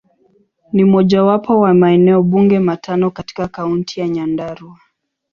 Ni mojawapo wa maeneo bunge matano katika Kaunti ya Nyandarua.